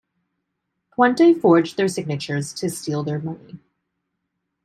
Puente forged their signatures to steal their money.